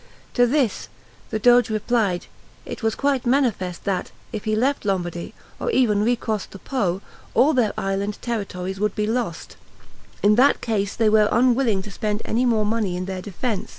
To this the Doge replied, it was quite manifest that, if he left Lombardy, or even recrossed the Po, all their inland territories would be lost; in that case they were unwilling to spend any more money in their defense.